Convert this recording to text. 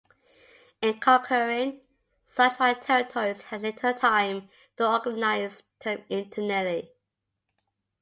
In conquering such wide territories he had little time to organize them internally.